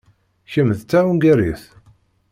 Kemm d tahungarit?